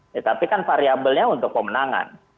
ya tapi kan variablenya untuk pemenangan